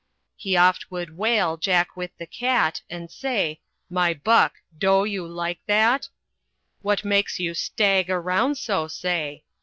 He oft would whale Jack with the cat, And say, "My buck, doe you like that? "What makes you stag around so, say?